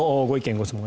・ご質問